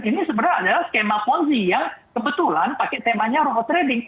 ini sebenarnya adalah skema ponzi yang kebetulan pakai temanya robot trading